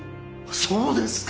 そうですか！